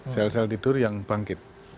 sel sel tidur yang bangkit